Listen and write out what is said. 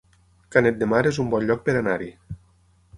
Canet de Mar es un bon lloc per anar-hi